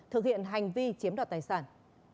thực hiện hành vi chiếm đoạt tài sản